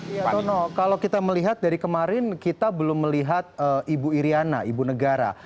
ya tono kalau kita melihat dari kemarin kita belum melihat ibu iryana ibu negara